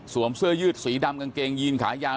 เสื้อยืดสีดำกางเกงยีนขายาว